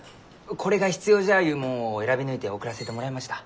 これが必要じゃゆうもんを選び抜いて送らせてもらいました。